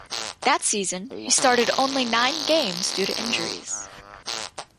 That season, he started only nine games due to injuries.